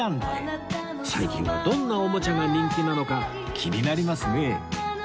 最近はどんなおもちゃが人気なのか気になりますね